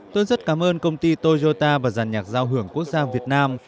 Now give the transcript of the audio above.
tôi rất cảm ơn công ty toyota và giàn nhạc giao hưởng quốc gia việt nam